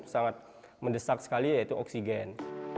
sangat mendesak sekali yaitu oksigen